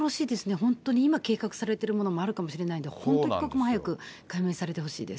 本当に今計画されているものもあるかもしれないので、本当一刻も早く解明されてほしいです。